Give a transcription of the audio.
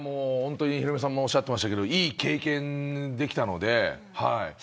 ヒロミさんもおっしゃってましたけどいい経験できたので。